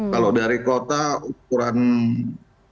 kalau dari kota kurang lebih